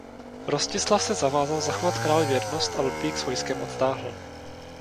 Rostislav se zavázal zachovat králi věrnost a Ludvík s vojskem odtáhl.